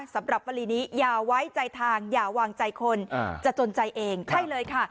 สำหรับวลีนี้อย่าไว้ใจทางอย่าวางใจคนจะจนใจเองใช่เลยค่ะ